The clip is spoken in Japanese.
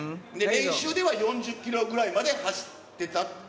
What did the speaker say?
練習では４０キロぐらいまで走ってた？